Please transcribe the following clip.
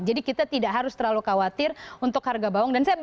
jadi kita tidak harus terlalu khawatir untuk harga bawang